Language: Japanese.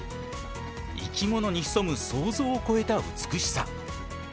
生き物に潜む想像を超えた美しさ。